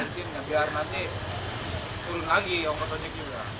biar nanti turun lagi yang ke sojek juga